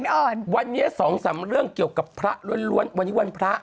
อ่อนวันนี้สองสามเรื่องเกี่ยวกับพระล้วนล้วนวันนี้วันพระ